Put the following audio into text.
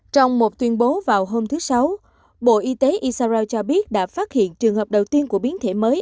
trong một tuyên bố vào hôm thứ sáu bộ y tế isarao cho biết đã phát hiện trường hợp đầu tiên của biến thể mới